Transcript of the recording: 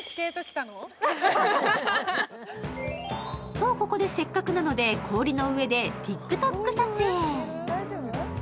と、ここで、せっかくなので氷の上でＴｉｋＴｏｋ撮影。